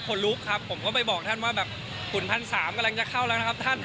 คนลุกครับผมก็ไปบอกท่านว่าแบบขุนพันสามกำลังจะเข้าแล้วนะครับท่าน